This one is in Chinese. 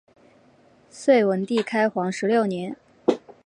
隋文帝开皇十六年。